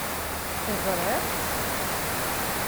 Teẓṛiḍ-t?